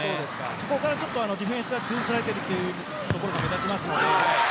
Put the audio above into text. そこからディフェンスが崩されているというところが目立ちますので。